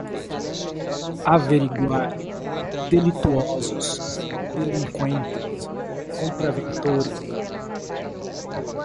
averiguar, delituosos, delinquentes, contraventores